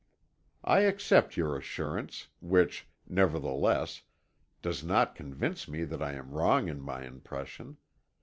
"I accept your assurance, which, nevertheless, does not convince me that I am wrong in my impression.